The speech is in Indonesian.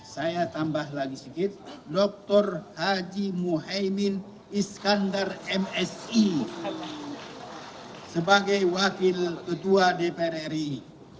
saya tambah lagi sedikit dr haji muhaymin iskandar msi sebagai wakil ketua dpr ri